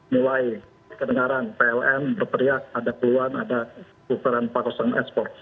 mulai kedengaran pln berteriak ada keluhan ada bukuran pakosongan ekspor